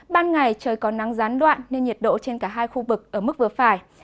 ban ngày trời có nắng gián đoạn nên nhiệt độ trên cả hai khu vực ở mức vừa phải